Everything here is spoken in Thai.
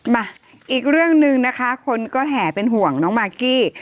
มาอีกเรื่องหนึ่งนะคะคนก็แห่เป็นห่วงน้องมากกี้